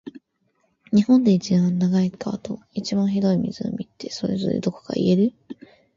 日本で一番長い川と、一番広い湖って、それぞれどこか言える？